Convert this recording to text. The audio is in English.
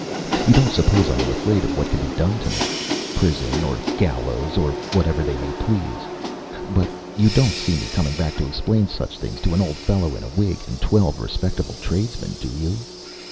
You don't suppose I am afraid of what can be done to me? Prison or gallows or whatever they may please. But you don't see me coming back to explain such things to an old fellow in a wig and twelve respectable tradesmen, do you?